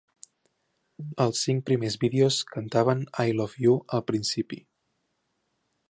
Als cinc primers vídeos, cantaven "I Love You" al principi.